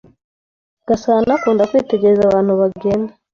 Gasanaakunda kwitegereza abantu bagenda.